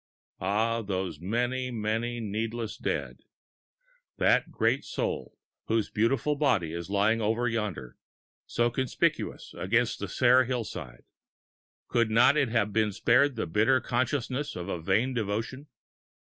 Ah, those many, many needless dead! That great soul whose beautiful body is lying over yonder, so conspicuous against the sere hillside could it not have been spared the bitter consciousness of a vain devotion?